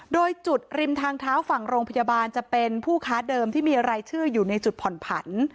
โดยจุดริมทางเท้าฝั่งโรงพยาบาลจะเป็นผู้ค้าเดิมที่มีรายชื่ออยู่ในจุดผ่อนผัน